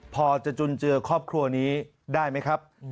พอจะจุนเจือครอบครัวนี้ได้ไหมครับ